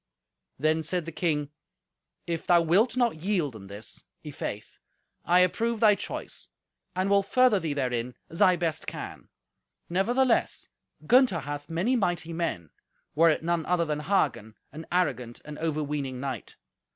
Then said the king, "If thou wilt not yield in this, i'faith, I approve thy choice, and will further thee therein as I best can. Nevertheless, Gunther hath many mighty men, were it none other than Hagen, an arrogant and overweening knight.